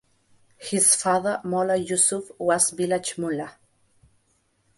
His father Molla Yusuf was the village mullah.